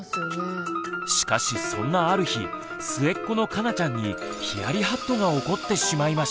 しかしそんなある日末っ子のかなちゃんにヒヤリハットが起こってしまいました。